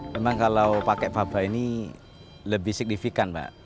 memang kalau pakai faba ini lebih signifikan pak